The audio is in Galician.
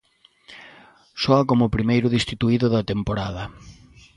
Soa como o primeiro destituído da temporada.